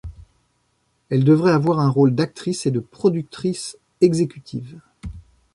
Elle devrait avoir un rôle d'actrice et de productrice exécutive.